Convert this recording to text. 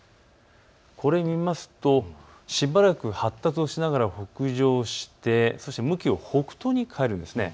これを見るとしばらく発達をしながら北上をして、そして向きを北東に変えるんです。